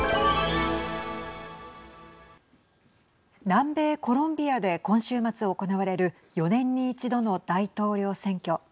南米コロンビアで今週末、行われる４年に一度の大統領選挙。